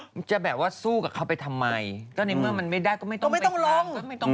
มันจะแบบว่าสู้กับเขาไปทำไมก็ในเมื่อมันไม่ได้ก็ไม่ต้องลง